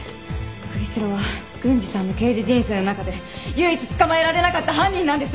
栗城は郡司さんの刑事人生の中で唯一捕まえられなかった犯人なんです。